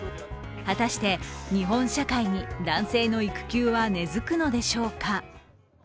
果たして日本社会に男性の育休は根づくのでしょうか。